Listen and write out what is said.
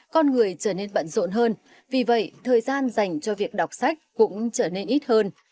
con người trở nên bận rộn hơn vì vậy thời gian dành cho việc đọc sách cũng trở nên ít hơn